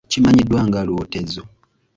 Kimanyiddwa nga lwotezo.